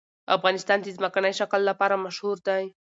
افغانستان د ځمکنی شکل لپاره مشهور دی.